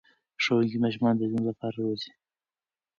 ښوونکي ماشومان د ژوند لپاره روزي.